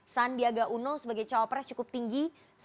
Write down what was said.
sandiaga uno sebagai cawapres cukup tinggi